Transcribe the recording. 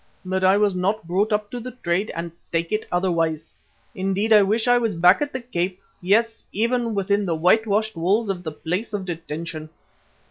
But I was not brought up to the trade and take it otherwise. Indeed I wish I was back at the Cape, yes, even within the whitewashed walls of the Place of Detention."